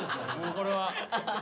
これは。